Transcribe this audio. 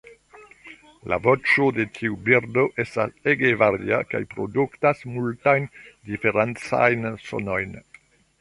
La voĉo de tiu birdo estas ege varia kaj produktas multajn diferencajn sonojn.